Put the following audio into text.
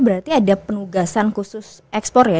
berarti ada penugasan khusus ekspor ya